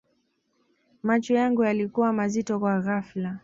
macho yangu yalikuwa mazito kwa ghafla